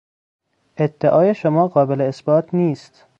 ادعای شما قابل اثبات نیست.